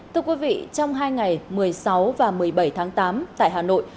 thưa quý vị trong hai ngày một mươi sáu và một mươi bảy tháng tám tại hà nội